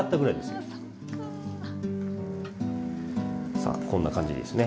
さあこんな感じですね。